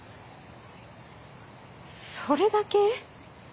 それだけ？